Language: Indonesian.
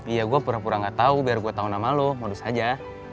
ya gue pura pura gak tau biar gue tahu nama lo modus aja